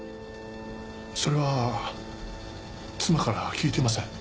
それは妻からは聞いていません。